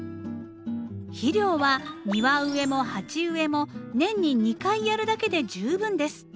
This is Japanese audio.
肥料は庭植えも鉢植えも年に２回やるだけで十分です。